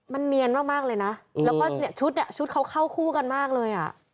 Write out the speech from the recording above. มันเนียนมากเลยนะแล้วก็เนี่ยชุดเนี่ยชุดเขาเข้าคู่กันมากเลยอ่ะ